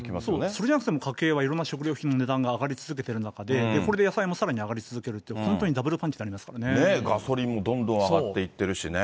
それじゃなくても家計はいろんな食料品の値段が上がり続けている中で、これで野菜もさらに上がり続けるって、本当にダブルパガソリンもどんどん上がっていってるしね。